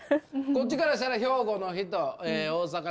こっちからしたら兵庫の人大阪の人